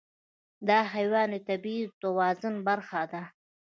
دا حیوان د طبیعي توازن برخه ده.